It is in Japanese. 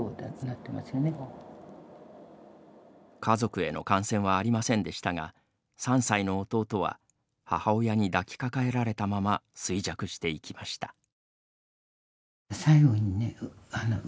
家族への感染はありませんでしたが３歳の弟は母親に抱きかかえられたまま衰弱していきました。